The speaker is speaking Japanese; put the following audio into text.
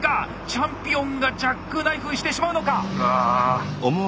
チャンピオンがジャックナイフしてしまうのか！